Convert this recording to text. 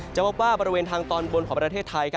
จะพบว่าบริเวณทางตอนบนของประเทศไทย